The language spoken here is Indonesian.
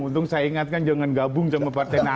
untung saya ingatkan jangan gabung sama partai nasdem